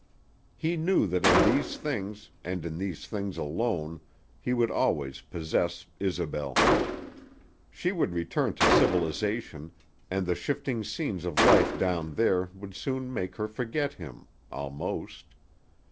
He knew that in these things, and in these things alone, he would always possess Isobel. She would return to civilization, and the shifting scenes of life down there would soon make her forget him almost.